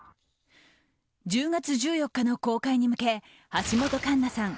１０月１４日の公開に向け橋本環奈さん